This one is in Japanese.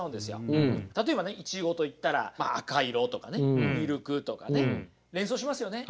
例えばねイチゴといったら赤色とかねミルクとかね連想しますよね。